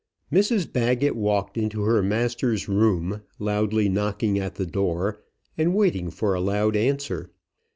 Mrs Baggett walked into her master's room, loudly knocking at the door, and waiting for a loud answer.